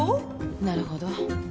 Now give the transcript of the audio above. なるほど。